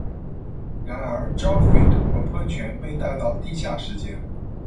然而 ，Jaufre 通过喷泉被带到地下世界。